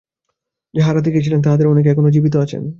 যাঁহারা দেখিয়াছিলেন, তাঁহাদের অনেকে এখনও জীবিত আছেন।